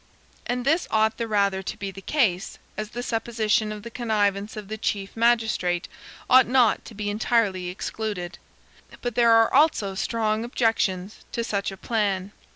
And this ought the rather to be the case, as the supposition of the connivance of the Chief Magistrate ought not to be entirely excluded. But there are also strong objections to such a plan.